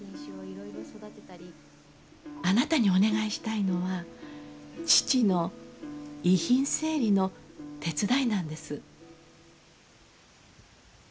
あなたにお願いしたいのは父の遺品整理の手伝いなんです。